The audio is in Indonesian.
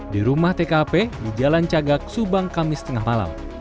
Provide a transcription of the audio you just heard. di rumah tkp di jalan cagak subang kamis tengah malam